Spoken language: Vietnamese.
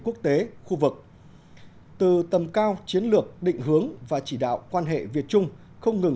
quốc tế khu vực từ tầm cao chiến lược định hướng và chỉ đạo quan hệ việt trung không ngừng